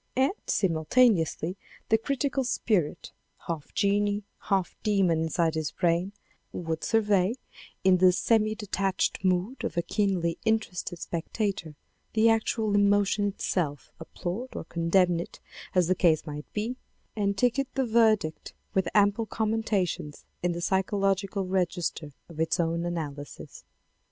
And simultaneously, the critical INTRODUCTION vii. spirit, half genie, half demon inside his brain, would survey in the semi detached mood of a keenly interested spectator, the actual emotion itself, applaud or con demn it as the case might be, and ticket the verdict with ample commentations in the psychological register of its own analysis.